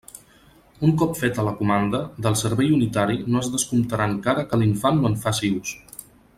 Un cop feta la comanda, del servei unitari no es descomptarà encara que l'infant no en faci ús.